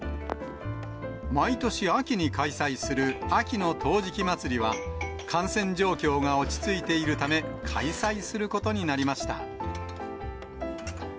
毎年秋に開催する、秋の陶磁器まつりは、感染状況が落ち着いているため、開催することになりました。